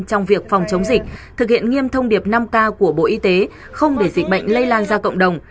trong việc phòng chống dịch thực hiện nghiêm thông điệp năm k của bộ y tế không để dịch bệnh lây lan ra cộng đồng